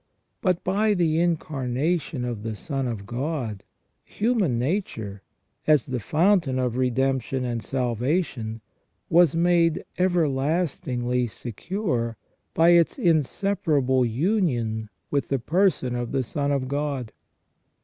But by the Incarnation of the Son of God, human nature, as the fountain of redemption and salvation, was made everlastingly secure, by its inseparable union with the person of the Son of God.